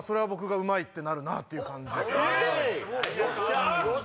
よっしゃ！